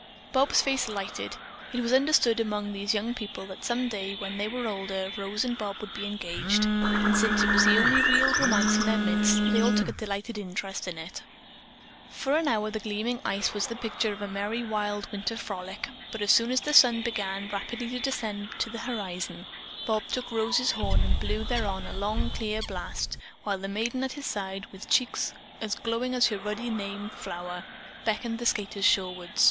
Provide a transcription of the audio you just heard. Bob's face lighted. It was understood among these young people that some day, when they were older, Rose and Bob would be engaged, and since it was the only real romance in their midst, they all took a delighted interest in it. For an hour the gleaming ice was the picture of a merry mid winter frolic, but, as soon as the sun began rapidly to descend to the horizon, Bob took Rose's horn and blew thereon a long, clear blast, while the maiden at his side, with cheeks as glowing as her ruddy name flower, beckoned the skaters shoreward.